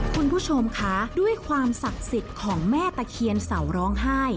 คุณผู้ชมคะด้วยความศักดิ์สิทธิ์ของแม่ตะเคียนเสาร้องไห้